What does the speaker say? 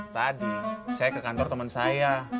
tadi saya ke kantor teman saya